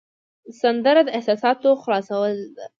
سندره د احساساتو خلاصول ده